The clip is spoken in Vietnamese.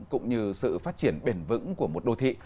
cũng như sự phát triển bền vững của một đô thị